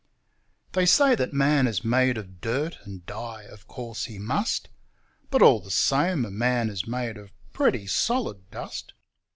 They say that man is made of dirt, and die, of course, he must; But, all the same, a man is made of pretty solid dust.